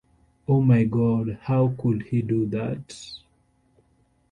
Oh my God, how could he do that?